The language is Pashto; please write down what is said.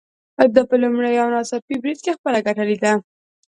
ده په لومړي او ناڅاپي بريد کې خپله ګټه ليده.